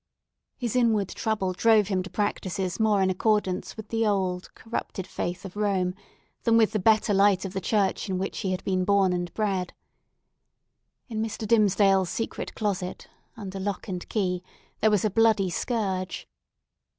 His inward trouble drove him to practices more in accordance with the old, corrupted faith of Rome than with the better light of the church in which he had been born and bred. In Mr. Dimmesdale's secret closet, under lock and key, there was a bloody scourge.